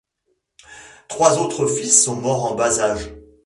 Trois autres fils sont morts en bas-âge.